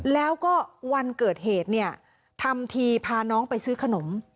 แล้วก็วันเกิดเหตุเนี่ยทำทีพาน้องไปซื้อขนม